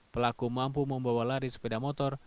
pelaku mampu membawa lari sepeda motor